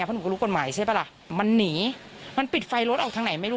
เพราะหนูก็รู้กฎหมายใช่ป่ะล่ะมันหนีมันปิดไฟรถออกทางไหนไม่รู้